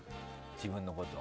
自分のこと。